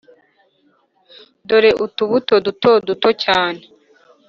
dore utubuto duto duto cyane,